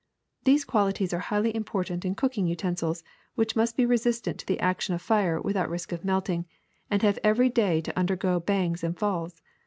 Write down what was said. These qualities are highly im portant in cooking utensils, which must resist the ac tion of fire without risk of melting, and have every day to undergo bangs and falls.